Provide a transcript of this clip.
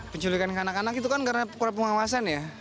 penculikan ke anak anak itu kan karena pengawasan ya